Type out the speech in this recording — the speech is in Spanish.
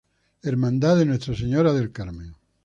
Hermandad de Nuestra Señora del Carmen.